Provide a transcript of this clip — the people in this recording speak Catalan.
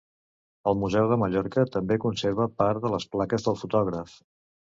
El Museu de Mallorca també conserva part de les plaques del fotògraf.